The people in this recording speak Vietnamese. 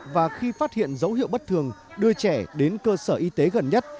và khi phát hiện dấu hiệu bất thường đưa trẻ đến cơ sở y tế gần nhất